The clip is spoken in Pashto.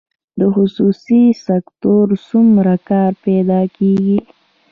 خصوصي سکتور څومره کار پیدا کړی؟